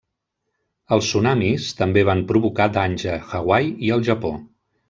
Els tsunamis també van provocar danys a Hawaii i el Japó.